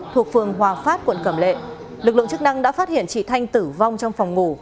thuộc phường hòa phát quận cẩm lệ lực lượng chức năng đã phát hiện chị thanh tử vong trong phòng ngủ